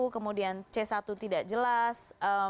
kemudian c satu tidak jelas